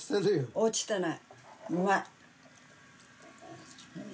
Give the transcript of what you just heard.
落ちてない。